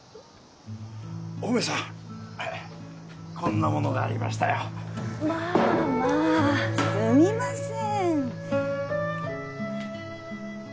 お梅さんこんなものがありましたよまあまあすみません